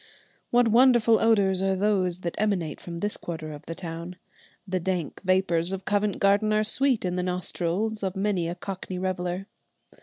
What wonderful odours are those that emanate from this quarter of the town! The dank vapours of Covent Garden are sweet in the nostrils of many a cockney reveller.